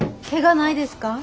ケガないですか？